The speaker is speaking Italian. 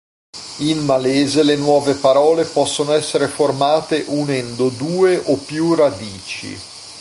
In malese le nuove parole possono essere formate unendo due o più radici.